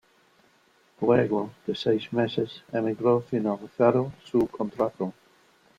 Luego de seis meses, emigró finalizado su contrato.